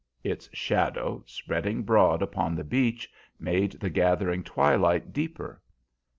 Its shadow, spreading broad upon the beach, made the gathering twilight deeper.